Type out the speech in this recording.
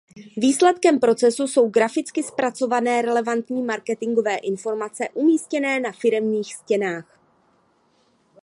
Výsledkem procesu jsou graficky zpracované relevantní marketingové informace umístěné na firemních stěnách.